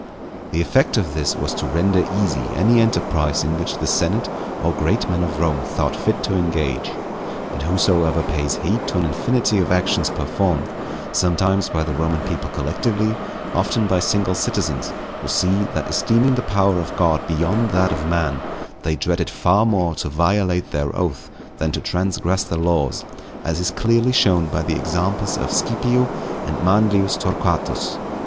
The effect of this was to render easy any enterprise in which the senate or great men of Rome thought fit to engage. And whosoever pays heed to an infinity of actions performed, sometimes by the Roman people collectively, often by single citizens, will see, that esteeming the power of God beyond that of man, they dreaded far more to violate their oath than to transgress the laws; as is clearly shown by the examples of Scipio and of Manlius Torquatus.